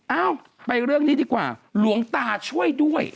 เอ้าไปเรื่องนี้ดีกว่าหลวงตาช่วยด้วย